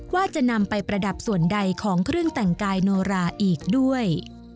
ว่าจะนำไปประดับส่วนใดของเครื่องแต่งกายโนราอีกด้วย